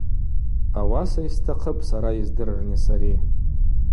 Ауаса йстахъыпӏ сара йыздырырныс ари.